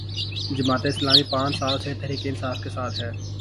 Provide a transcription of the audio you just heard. جماعت اسلامی پانچ سال سے تحریک انصاف کے ساتھ ہے۔